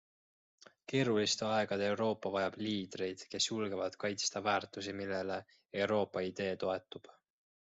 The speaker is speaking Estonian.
Keeruliste aegade Euroopa vajab liidreid, kes julgevad kaitsta väärtusi, millele Euroopa-idee toetub.